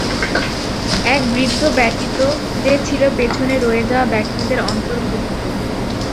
এক বৃদ্ধা ব্যতীত, যে ছিল পেছনে রয়ে যাওয়া ব্যক্তিদের অন্তর্ভুক্ত।